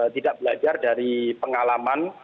tidak belajar dari pengalaman